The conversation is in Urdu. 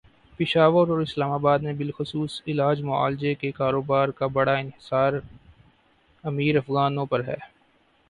پشاور اور اسلام آباد میں بالخصوص علاج معالجے کے کاروبارکا بڑا انحصارامیر افغانوں پر ہے۔